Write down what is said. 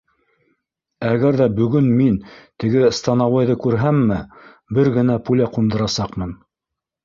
Әгәр ҙә бөгөн мин теге становойҙы күрһәмме, бер генә пуля ҡундырасаҡмын.